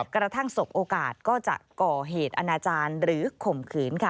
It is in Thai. กระทั่งสบโอกาสก็จะก่อเหตุอนาจารย์หรือข่มขืน